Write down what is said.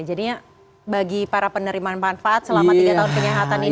jadinya bagi para penerima manfaat selama tiga tahun penyehatan ini